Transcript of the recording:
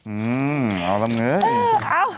อืมเอาล่ะเงยเออเอา